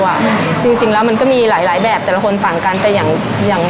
จริงจริงแล้วมันก็มีหลายหลายแบบแต่ละคนต่างกันแต่อย่างอย่าง